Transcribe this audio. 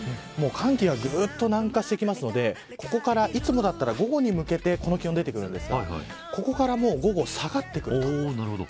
寒気がぐっと南下してくるのでここから、いつもだったら午後に向けてこの気温になりますがここから午後下がってくると。